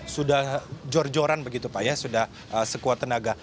sudah jor joran begitu pak ya sudah sekuat tenaga